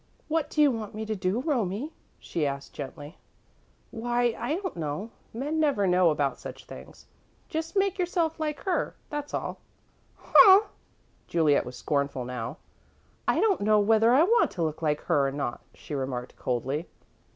"What do you want me to do, Romie?" she asked, gently. "Why, I don't know. Men never know about such things. Just make yourself like her that's all." "Huh!" Juliet was scornful now. "I don't know whether I want to look like her or not," she remarked, coldly.